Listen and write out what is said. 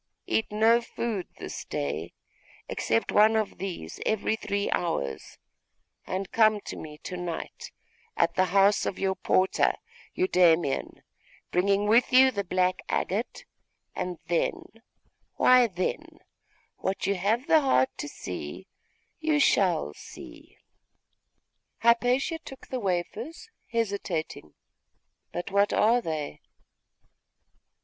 Eat no food this day, except one of these every three hours, and come to me to night at the house of your porter, Eudaimon, bringing with you the black agate; and then why then, what you have the heart to see, you shall see!' Hypatia took the wafers, hesitating 'But what are they?